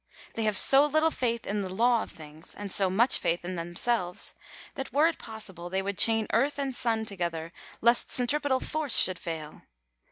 They have so little faith in the laws of things, and so much faith in themselves, that, were it possible, they would chain earth and sun together, lest centripetal force should fail